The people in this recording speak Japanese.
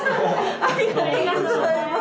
ありがとうございます。